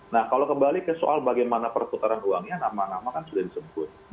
nah kalau kembali ke soal bagaimana perputaran uangnya nama nama kan sudah disebut